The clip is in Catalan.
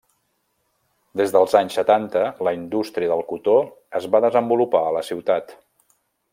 Des dels anys setanta la indústria del cotó es va desenvolupar a la ciutat.